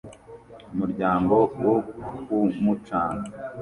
Umuryango wo ku mucanga